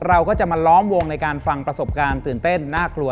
เราก็จะมาล้อมวงในการฟังประสบการณ์ตื่นเต้นน่ากลัว